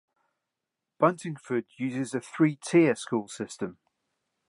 Buntingford uses a three-tier school system.